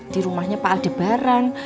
di rumahnya pak aldebaran